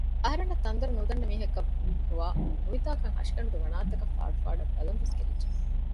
އަހަރެންނަށް ތަންދޮރު ނުދަންނަ މީހަކަށް ގޮވާ ނުވިތާކަށް ހަށިގަނޑުގެ ވަނާތަކަށް ފާޑު ފާޑަށް ބަލަންވެސް ކެރިއްޖެ